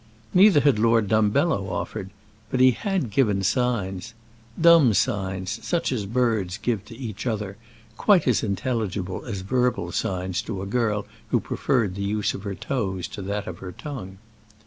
Neither had Lord Dumbello offered; but he had given signs, dumb signs, such as birds give to each other, quite as intelligible as verbal signs to a girl who preferred the use of her toes to that of her tongue.